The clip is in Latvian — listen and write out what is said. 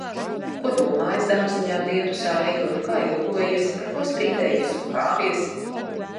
Ko domājis, dārziņā diendusā ejot, kā ilgojies. Par ko strīdējies un kāvies.